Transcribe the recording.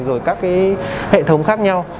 rồi các cái hệ thống khác nhau